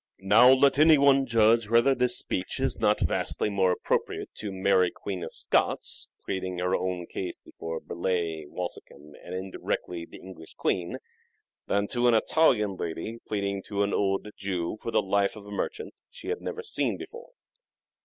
Now let any one judge whether this speech is not vastly more appropriate to Mary Queen of Scots pleading her own cause before Burleigh, Walsingham, and indirectly the English Queen, than to an Italian lady pleading to an old Jew for the life of a merchant she had never seen before.